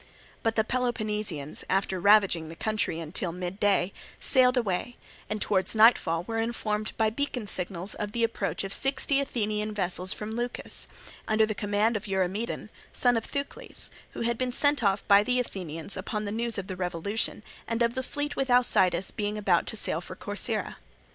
But the Peloponnesians after ravaging the country until midday sailed away, and towards nightfall were informed by beacon signals of the approach of sixty Athenian vessels from Leucas, under the command of Eurymedon, son of Thucles; which had been sent off by the Athenians upon the news of the revolution and of the fleet with Alcidas being about to sail for Corcyra.